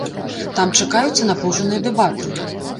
Там чакаюцца напружаныя дэбаты.